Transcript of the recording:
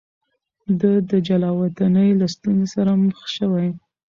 ده د جلاوطنۍ له ستونزو سره مخ شوی.